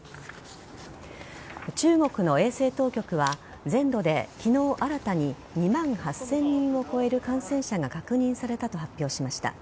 中国の衛生当局は全土で昨日新たに２万８０００人を超える感染者が確認されたと発表しました。